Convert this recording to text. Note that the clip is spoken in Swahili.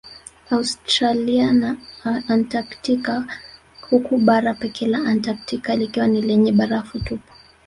Austiralia na Antaktika huku bara pekee la Antaktika likiwa ni lenye barafu tupu